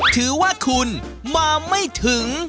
ถือว่าคุณมาไม่ถึง